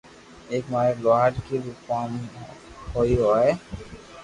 ايڪ ماري لوھارڪي رو ڪوم ڪوئي ھوئي